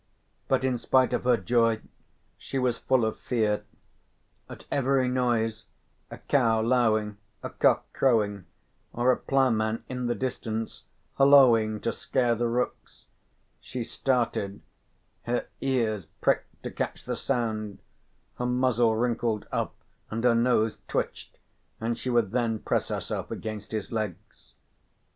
But in spite of her joy she was full of fear. At every noise, a cow lowing, a cock crowing, or a ploughman in the distance hulloaing to scare the rooks, she started, her ears pricked to catch the sound, her muzzle wrinkled up and her nose twitched, and she would then press herself against his legs.